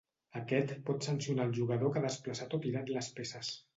Aquest pot sancionar el jugador que ha desplaçat o tirat les peces.